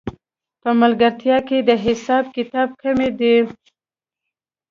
په ملګرتیا کې د حساب کتاب کمی دی